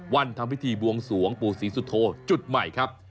วันทำพิธีบวงสวงปู่ศรีสุโธจุดใหม่ครับ